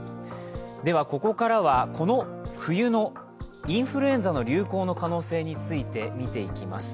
では、ここからはこの冬のインフルエンザの流行の可能性について見ていきます。